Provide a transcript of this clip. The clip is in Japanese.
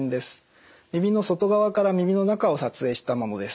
耳の外側から耳の中を撮影したものです。